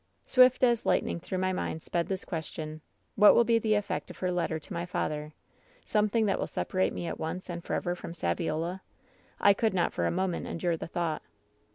"Swift as lightning through my mind sped this ques tion : What will be the effect of her letter to my father ? Something that will separate me at once and forever from Saviola? I could not for a moment endure the thought.